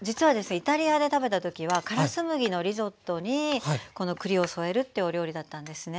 イタリアで食べた時はからす麦のリゾットにこの栗を添えるっていうお料理だったんですね。